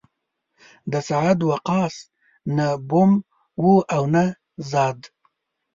د سعد وقاص نه بوم و او نه زاد.